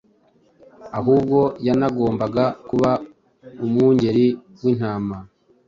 ahubwo yanagombaga kuba umwungeri w’intama.